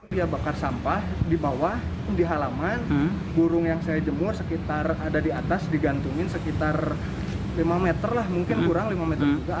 dia bakar sampah di bawah di halaman burung yang saya jemur sekitar ada di atas digantungin sekitar lima meter lah mungkin kurang lima meter juga